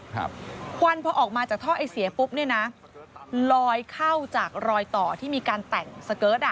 ควันพอออกมาจากท่อไอเสียปุ๊บเนี่ยนะลอยเข้าจากรอยต่อที่มีการแต่งสเกิร์ตอ่ะ